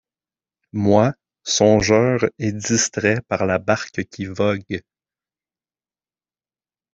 Moi, songeur et distrait par la barque qui vogue.